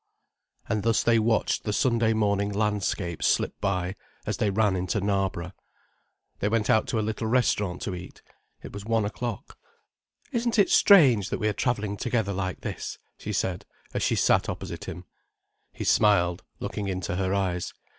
And thus they watched the Sunday morning landscape slip by, as they ran into Knarborough. They went out to a little restaurant to eat. It was one o'clock. "Isn't it strange, that we are travelling together like this?" she said, as she sat opposite him. He smiled, looking into her eyes.